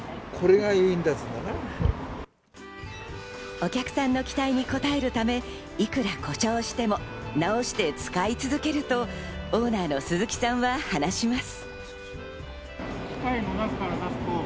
お客さんの期待に応えるため、いくら故障しても直して使い続けるとオーナーの鈴木さんは話します。